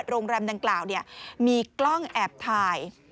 โรงแรมดังกล่าวมีกล้องแอบถ่าย